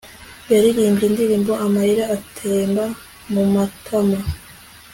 yaririmbye indirimbo amarira atemba mumatama